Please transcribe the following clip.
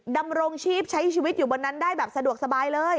ดำรงชีพใช้ชีวิตอยู่บนนั้นได้แบบสะดวกสบายเลย